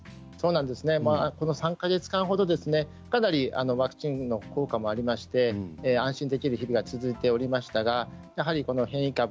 この３か月間ほどかなりワクチンの効果もありまして安心できる日々が続いておりましたがやはりこの変異株